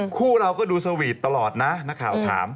คู่เราก็ดูสวีทตลอดนะนักข่าวถาม